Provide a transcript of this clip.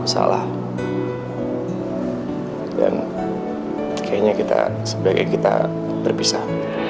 hai salah dan kayaknya kita sebagai kita berpisah